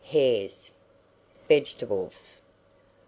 Hares. VEGETABLES.